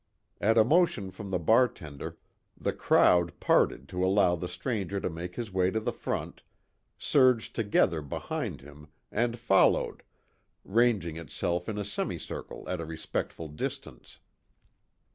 At a motion from the bartender the crowd parted to allow the stranger to make his way to the front, surged together behind him, and followed, ranging itself in a semicircle at a respectful distance.